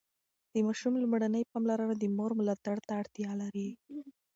د ماشوم لومړني پاملرنه د مور ملاتړ ته اړتیا لري.